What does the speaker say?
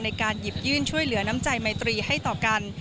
ในการหยิบยื่นช่วยเหลือน้ำใจไมตรีให้ต่อกัน